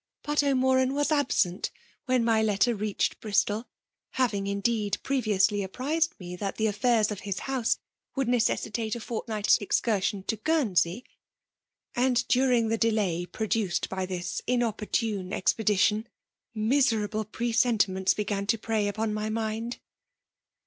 But O'Moran was absent when FEMALE DOMINATION. 291 my letter reached Bristol^ — ^having, indeed* previously apprized me that the affairs of his house would necessitate a fortnight's excursion to Guernsey ; and> during the delay produced by this inopportune expedition^ miserable presentiments began to prey upon my mind.